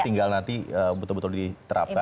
tinggal nanti betul betul diterapkan